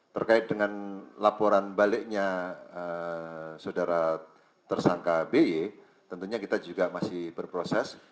terkait dengan laporan baliknya saudara tersangka by tentunya kita juga masih berproses